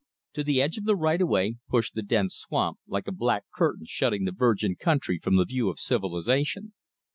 To the edge of the right of way pushed the dense swamp, like a black curtain shutting the virgin country from the view of civilization.